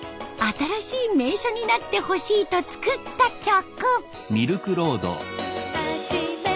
新しい名所になってほしいと作った曲。